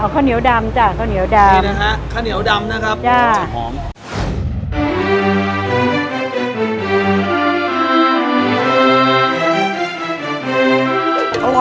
ข้าวเหนียวดำจ้ะข้าวเหนียวดำนี่นะฮะข้าวเหนียวดำนะครับย่าหอม